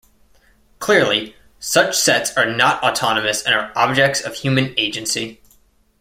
Clearly, such sets are not autonomous and are objects of human agency.